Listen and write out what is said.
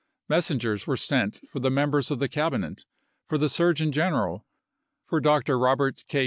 Messengers were sent for the members of the Cabinet, for the Surgeon General, for Dr. Eobert K.